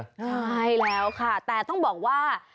ใช่แล้วค่ะแต่ต้องบอกว่า